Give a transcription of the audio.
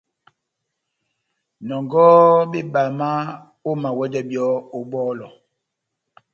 Nɔngɔhɔ bebama, omawɛdɛ byɔ́ ó bɔlɔ.